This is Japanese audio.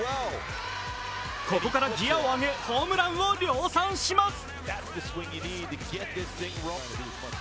ここからギヤを上げ、ホームランを量産します。